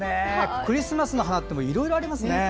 クリスマスの花っていろいろありますね。